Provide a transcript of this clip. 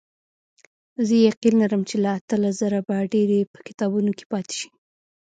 زه یقین لرم چې له اتلس زره به ډېرې په کتابونو کې پاتې شي.